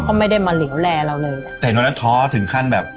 ก็ไม่ใกล้มาก